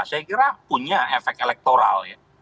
saya kira punya efek elektoral ya